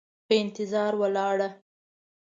په انتظار ولاړه،